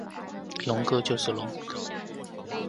龙哥就是龙！